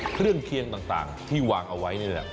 เครื่องเคียงต่างที่วางเอาไว้นี่แหละ